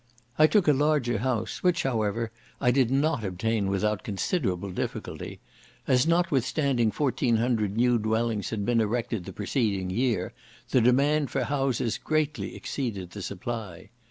I took a larger house, which, however, I did not obtain without considerable difficulty, as, notwithstanding fourteen hundred new dwellings had been erected the preceding year, the demand for houses greatly exceeded the supply.